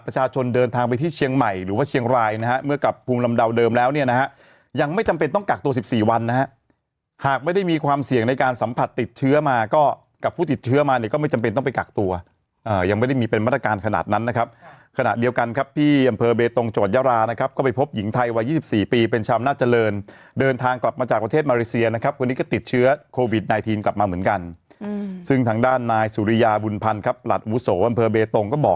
ชนเดินทางไปที่เชียงใหม่หรือว่าเชียงรายนะฮะเมื่อกลับภูมิลำดาวน์เดิมแล้วเนี้ยนะฮะยังไม่จำเป็นต้องกักตัวสิบสี่วันนะฮะหากไม่ได้มีความเสี่ยงในการสัมผัสติดเชื้อมาก็กับผู้ติดเชื้อมาเนี้ยก็ไม่จำเป็นต้องไปกักตัวอ่ายังไม่ได้มีเป็นมาตรการขนาดนั้นนะครับขนาดเดียวกันครับ